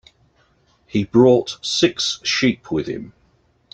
He brought six sheep with him.